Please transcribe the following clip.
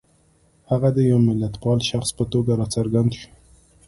هغه د یوه ملتپال شخص په توګه را څرګند شو.